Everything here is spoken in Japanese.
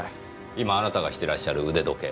今あなたがしてらっしゃる腕時計。